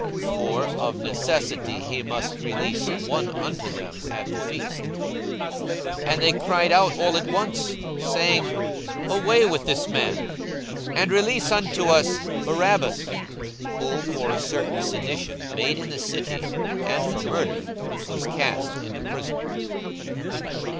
42:023:017 (For of necessity he must release one unto them at the feast.) 42:023:018 And they cried out all at once, saying, Away with this man, and release unto us Barabbas: 42:023:019 (Who for a certain sedition made in the city, and for murder, was cast into prison.)